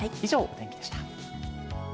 以上、お天気でした。